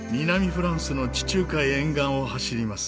フランスの地中海沿岸を走ります。